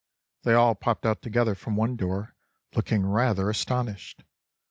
They all popped out together from one door, looking rather astonished.